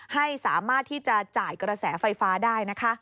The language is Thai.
ให้สามารถที่จะจ่ายกระแสไฟฟ้าได้นะคะ